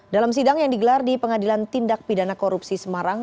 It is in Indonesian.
dalam sidang yang digelar di pengadilan tindak pidana korupsi semarang